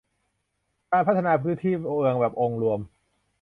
การพัฒนาพื้นที่เมืองแบบองค์รวม